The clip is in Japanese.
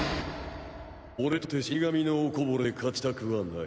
俺とて死神のおこぼれで勝ちたくはない。